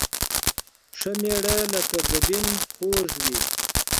ښه مېړه لکه ګبين خوږ وي